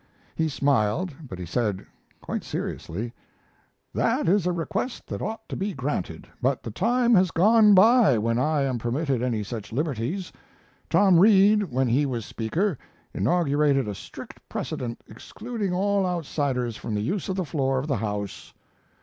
He smiled, but he said, quite seriously: "That is a request that ought to be granted; but the time has gone by when I am permitted any such liberties. Tom Reed, when he was Speaker, inaugurated a strict precedent excluding all outsiders from the use of the floor of the House."